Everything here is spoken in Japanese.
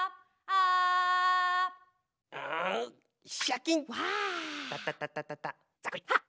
あっ！